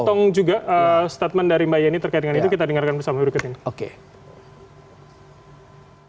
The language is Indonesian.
untuk memotong juga statement dari mbak yeni terkait dengan itu kita dengarkan bersama